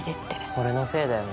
俺のせいだよね。